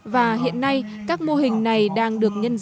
và hiện nay các mô hình này đang được phát triển